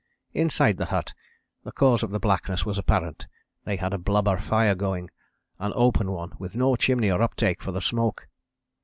Inside the hut, the cause of the blackness was apparent, they had a blubber fire going, an open one, with no chimney or uptake for the smoke.